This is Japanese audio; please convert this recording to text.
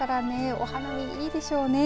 お花見はいいでしょうね。